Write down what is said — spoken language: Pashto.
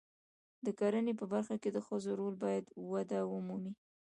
د کرنې په برخه کې د ښځو رول باید وده ومومي.